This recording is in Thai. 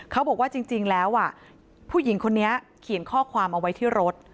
เขาบอกว่าจริงแล้วผู้หญิงคนนี้เขียนข้อความเอาไว้ที่รถ